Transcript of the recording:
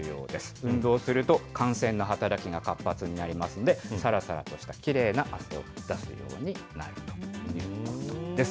運動すると汗腺の働きが活発になりますので、さらさらとしたきれいな汗を出すようになるということです。